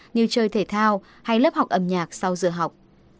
như chơi thể thao hay lớp học âm nhạc sau giờ học